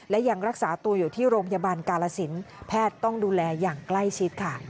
และยังรักษาตัวอยู่ที่โรงพยาบาลกาลสินแพทย์ต้องดูแลอย่างใกล้ชิดค่ะ